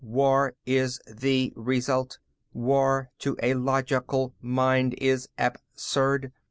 War is the result. War, to a logical mind, is absurd.